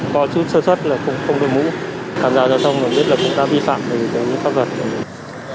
có chút sơ xuất là không đổi mũ